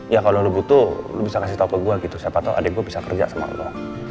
ya kalau lo butuh lo bisa kasih tau ke gue gitu siapa tau adik gue bisa kerja sama allah